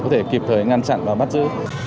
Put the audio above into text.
để kịp thời ngăn chặn và bắt giữ